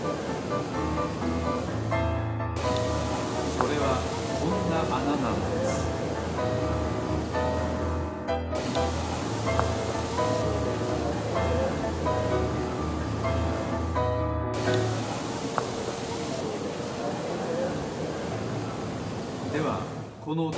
それはこんなあななのですではこのてつぼうのよう